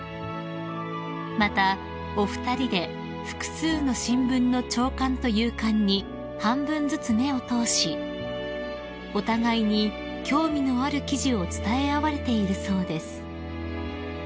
［またお二人で複数の新聞の朝刊と夕刊に半分ずつ目を通しお互いに興味のある記事を伝え合われているそうです］